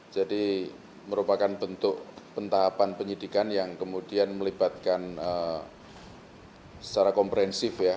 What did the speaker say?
jadi merupakan bentuk pentahapan penyidikan yang kemudian melibatkan secara komprehensif ya